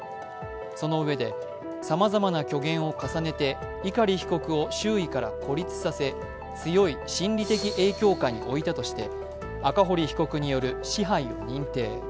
そのうえでさまざまな虚言を重ねて碇被告を周囲から孤立させ強い心理的影響下においたとして赤堀被告による支配を認定。